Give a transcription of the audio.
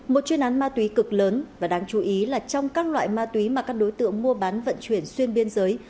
một chuyên án ma túy cực lớn và đáng chú ý là trong các loại ma túy mà các đối tượng mua bán vận chuyển xuyên biên giới